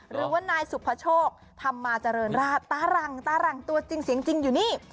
หรือว่านายสุภโชคทำมาเจริญตารังตัวจริงอยู่นี่